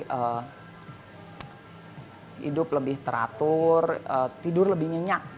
hidup lebih teratur tidur lebih nyenyak